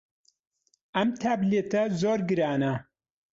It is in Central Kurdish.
ئەم تابلێتە زۆر گرانە.